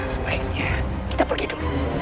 sebaiknya kita pergi dulu